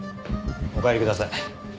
お帰りください。